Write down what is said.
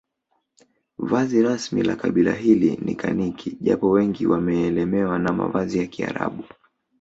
Vazi rasmi la kabila hili ni kaniki japo wengi wameelemewa na mavazi ya kiarabu